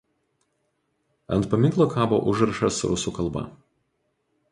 Ant paminklo kabo užrašas rusų kalba.